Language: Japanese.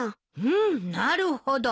うんなるほど。